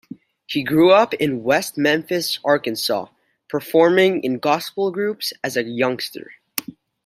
He grew up in West Memphis, Arkansas, performing in gospel groups as a youngster.